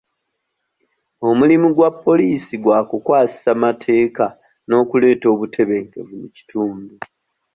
Omulimu gwa poliisi gwa kukwasisa mateeka n'okuleeta obutebenkevu mu kitundu.